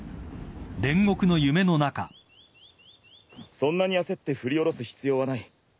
そんなに焦って振り下ろす必要はない。